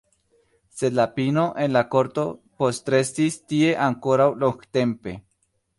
Sed la pino en la korto postrestis tie ankoraŭ longtempe.